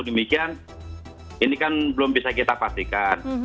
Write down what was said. demikian ini kan belum bisa kita pastikan